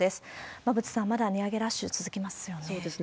馬渕さん、まだ値上げラッシュ続きますよね。